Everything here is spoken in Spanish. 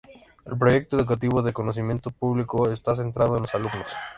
El Proyecto Educativo de conocimiento público está centrado en los alumnos.